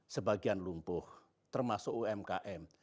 sebagian lumpuh termasuk umkm